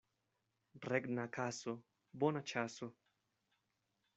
Regna kaso — bona ĉaso.